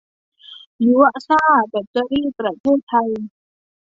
ยัวซ่าแบตเตอรี่ ประเทศไทย